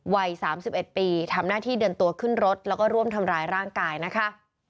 วัย๓๑ปีทำหน้าที่เดินตัวขึ้นรถแล้วก็ร่วมทำร้ายร่างกายนะคะ